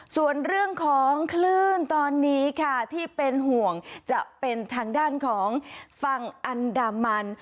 ส่วนเรื่องของคลื่นตอนนี้ค่ะที่เป็นห่วงจะเป็นทางด้านของฝั่งอันดามัน